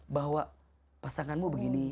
bahwa pasanganmu begini